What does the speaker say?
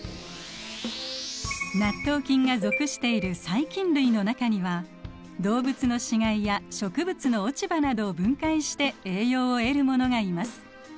納豆菌が属している細菌類の中には動物の死骸や植物の落ち葉などを分解して栄養を得るものがいます。